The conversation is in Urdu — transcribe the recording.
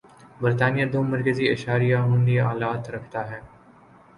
برطانیہ دو مرکزی اشاریہ ہُنڈی آلات رکھتا ہے